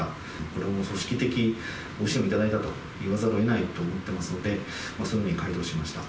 これは組織的ご支援をいただいたと言わざるをえないと思いますので、そういうふうに回答しました。